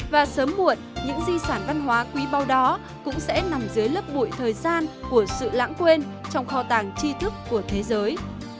và sớm muộn những di sản văn hóa quý bao đó cũng sẽ nằm dưới lớp bụi thời gian của sự lãng quên trong kho tàng chi thức của thế giới